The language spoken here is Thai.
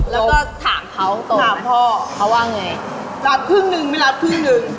แล้วก็ถามเขาตรงถามพ่อเขาว่าไงรับครึ่งหนึ่งไม่รับครึ่งหนึ่ง